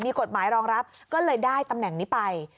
มีกฎหมายรองรับก็เลยได้ตำแหน่งนี้ไป